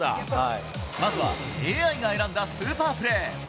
まずは、ＡＩが選んだスーパープレー。